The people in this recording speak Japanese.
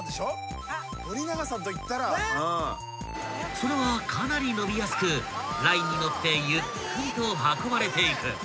［それはかなり伸びやすくラインに乗ってゆっくりと運ばれていく］